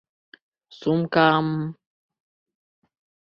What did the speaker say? Сумкам...